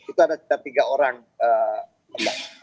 itu ada tiga orang yang membakar